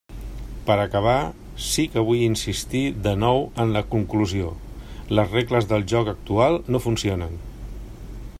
Per acabar, sí que vull insistir de nou en la conclusió: les regles del joc actual no funcionen.